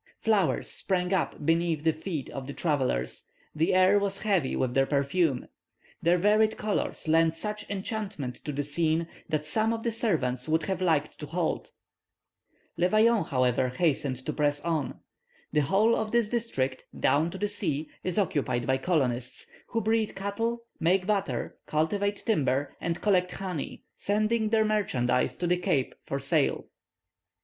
Flowers sprang up beneath the feet of the travellers; the air was heavy with their perfume; their varied colours lent such enchantment to the scene that some of the servants would have liked to halt. Le Vaillant however hastened to press on. The whole of this district, down to the sea, is occupied by colonists, who breed cattle, make butter, cultivate timber, and collect honey, sending their merchandise to the Cape for sale.